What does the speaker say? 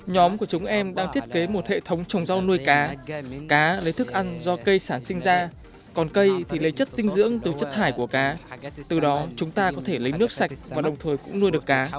nhóm của chúng em đang thiết kế một hệ thống trồng rau nuôi cá cá lấy thức ăn do cây sản sinh ra còn cây thì lấy chất dinh dưỡng từ chất thải của cá từ đó chúng ta có thể lấy nước sạch và đồng thời cũng nuôi được cá